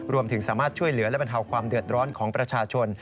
รวมถึงสามารถช่วยเหลือและบรรเทาความเดือดร้อนของประชาชน